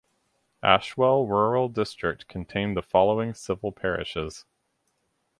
Ashwell Rural District contained the following civil parishes.